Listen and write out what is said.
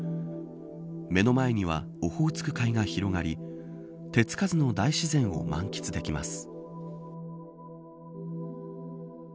目の前にはオホーツク海が広がり手付かずの大自然を満喫できます